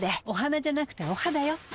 お花じゃなくてお肌よ。